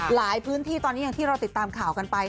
หลายพื้นที่ตอนนี้อย่างที่เราติดตามข่าวกันไป